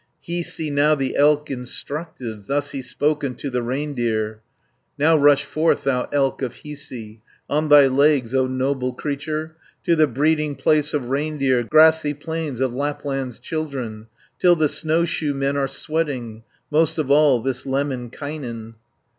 Hiisi now the elk instructed, Thus he spoke unto the reindeer: 120 "Now rush forth thou elk of Hiisi, On thy legs, O noble creature, To the breeding place of reindeer, Grassy plains of Lapland's children, Till the snowshoe men are sweating; Most of all, this Lemminkainen!"